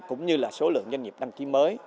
cũng như là số lượng doanh nghiệp đăng ký mới